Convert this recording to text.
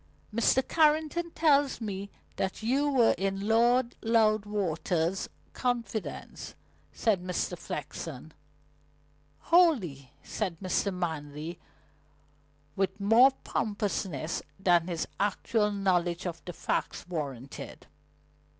"Mr. Carrington tells me that you were in Lord Loudwater's confidence," said Mr. Flexen. "Wholly," said Mr. Manley, with more promptness than his actual knowledge of the facts warranted.